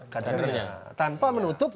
kadernya tanpa menutup